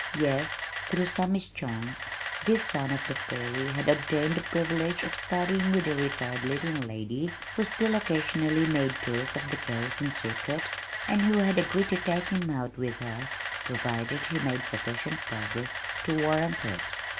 Yes, through some mischance, this son of the prairie had obtained the privilege of studying with a retired "leading lady" who still occasionally made tours of the "Kerosene Circuit" and who had agreed to take him out with her, provided he made sufficient progress to warrant it.